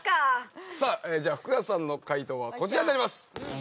さあじゃあ福田さんの回答はこちらになります。